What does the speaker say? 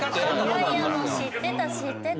いやいやもう知ってた知ってた。